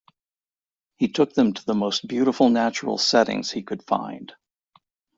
He took them to the most beautiful natural settings he could find.